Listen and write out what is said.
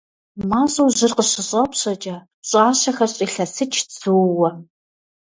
МащӀэу жьыр къыщыщӀэпщэкӀэ пщӀащэхэр щӀилъэсыкӀт зууэ.